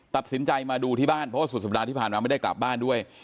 ตัดสินใจมาดูที่บ้านเพราะว่าสุดสัปดาห์ที่ผ่านมาไม่ได้กลับบ้านด้วย